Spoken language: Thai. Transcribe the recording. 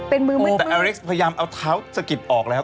เป็นมือเหมือนกันแต่อเล็กซ์พยายามเอาเท้าสะกิดออกแล้ว